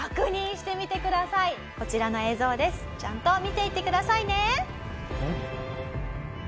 ちゃんと見ていてくださいね！